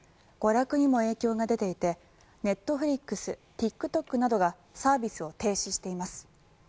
娯楽にも影響が出ていてネットフリックスＴｉｋＴｏｋなどがサービスを停止しています。